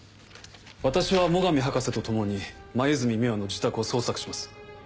私は最上博士と共に黛美羽の自宅を捜索します。